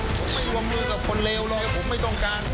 ผมไม่วงมือกับคนเลวเลยผมไม่ต้องการ